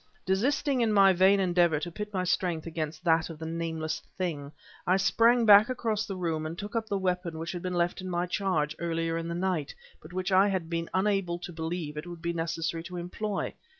Desisting in my vain endeavor to pit my strength against that of the nameless thing, I sprang back across the room and took up the weapon which had been left in my charge earlier in the night, but which I had been unable to believe it would be necessary to employ.